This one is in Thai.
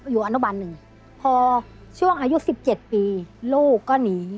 อยู่อนุบันหนึ่งพอช่วงอายุ๑๗ปีลูกก็หนี